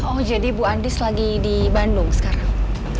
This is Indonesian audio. oh jadi bu andis lagi di bandung sekarang